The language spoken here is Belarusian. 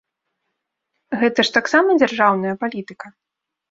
Гэта ж таксама дзяржаўная палітыка.